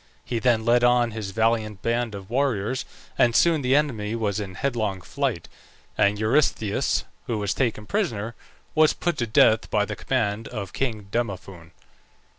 He then led on his valiant band of warriors, and soon the enemy was in headlong flight; and Eurystheus, who was taken prisoner, was put to death by the command of king Demophoon.